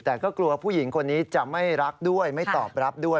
แต่ก็กลัวผู้หญิงคนนี้จะไม่รักด้วยไม่ตอบรับด้วย